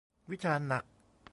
วิจารณ์หนัก